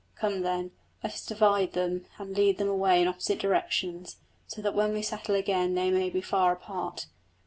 Come then, let us divide them and lead them away in opposite directions, so that when we settle again they may be far apart.